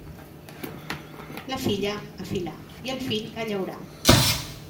La filla, a filar, i el fill, a llaurar.